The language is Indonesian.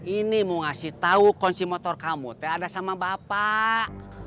ini mau ngasih tau konsimotor kamu ada sama bapak